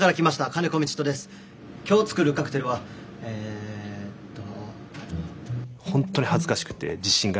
今日作るカクテルはえっと。